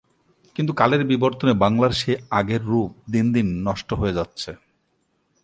কিন্তু কালের বিবর্তনে বাংলার সেই আগের রূপ দিন দিন নষ্ট হয়ে যাচ্ছে।